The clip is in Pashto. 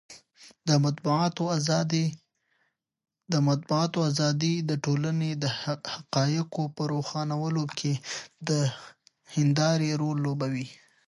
د مطبوعاتو ازادي د ټولنې د حقایقو په روښانولو کې د هندارې رول لوبوي.